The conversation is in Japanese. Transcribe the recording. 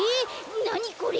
なにこれ。